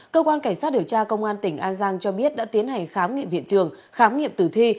cơ quan cảnh sát điều tra công an tỉnh an giang cho biết đã tiến hành khám nghiệm hiện trường khám nghiệm tử thi